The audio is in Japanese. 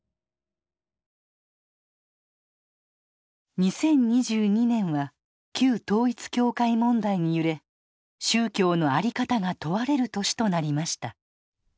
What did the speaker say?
２０２２年は旧統一教会問題に揺れ宗教のあり方が問われる年となりました。